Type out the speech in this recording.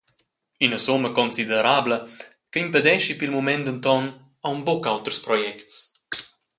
Ina summa considerabla che impedeschi pil mument denton aunc buca auters projects.